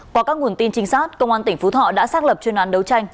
qua các nguồn tin trinh sát công an tỉnh phú thọ đã xác lập chuyên án đấu tranh